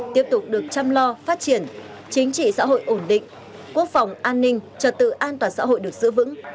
tiếp tục được chăm lo phát triển chính trị xã hội ổn định quốc phòng an ninh trật tự an toàn xã hội được giữ vững